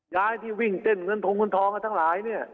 ย้ายที่วิ่งเต้นเงินทงเงินทองกันทั้งหลายเนี่ย